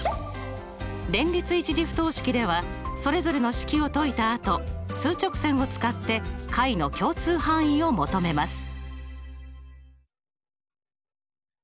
連立１次不等式ではそれぞれの式を解いたあと数直線を使って解の共通範囲を求めます。